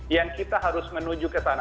yang kita harus menuju ke sana